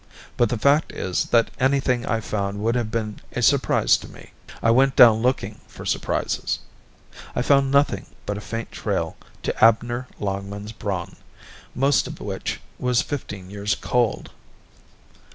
But the fact is that anything I found would have been a surprise to me; I went down looking for surprises. I found nothing but a faint trail to Abner Longmans Braun, most of which was fifteen years cold.